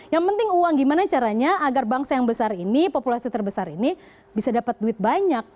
yang penting uang gimana caranya agar bangsa yang besar ini populasi terbesar ini bisa dapat duit banyak